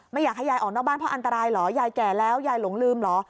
ไม่อยากให้ยายออกนอกบ้านเพราะอันตรายเหรอยายแก่แล้วยายหลงลืมเหรอ